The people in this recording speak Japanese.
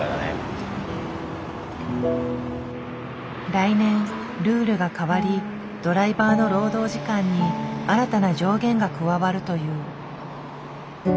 来年ルールが変わりドライバーの労働時間に新たな上限が加わるという。